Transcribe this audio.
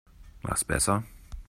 Mach's besser.